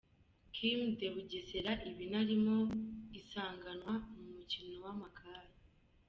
Km de Bugesera iba inarimo isiganwa mu mukino w'amagare .